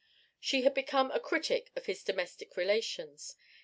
She had become a critic of his domestic relations.